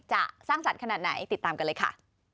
สร้างสรรค์ขนาดไหนติดตามกันเลยค่ะ